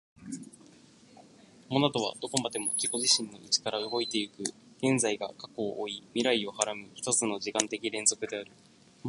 モナドはどこまでも自己自身の内から動いて行く、現在が過去を負い未来を孕はらむ一つの時間的連続である。